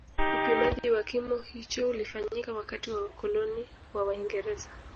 Upimaji wa kimo hicho ulifanyika wakati wa wakoloni wa waingereza